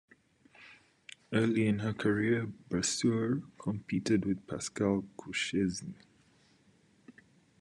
Early in her career, Brasseur competed with Pascal Courchesne.